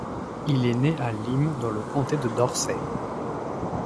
Il est né à Lyme dans le Comté de Dorset.